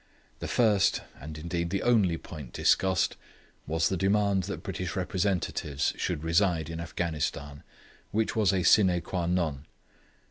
The first, and indeed the only point discussed, was the demand that British representatives should reside in Afghanistan, which was a sine qua non.